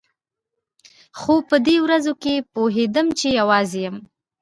خو په دې ورځو کښې پوهېدم چې يوازې يم.